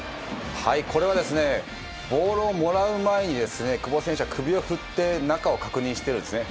これはボールをもらう前に久保選手は首を振って中を確認しているんですね。